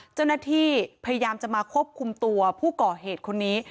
เจ้าหน้าที่พยายามจะมาควบคุมตัวผู้ก่อเหตุคนนี้